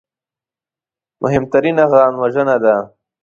مهمترینه ځانوژنه ده